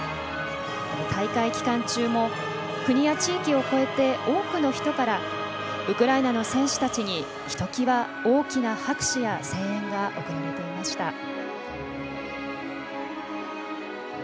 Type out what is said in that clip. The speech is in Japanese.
大会期間中も国や地域を越えて多くの人からウクライナの選手たちにひときわ大きな拍手や声援が送られていました。